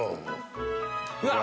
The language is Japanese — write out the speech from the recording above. うわっ！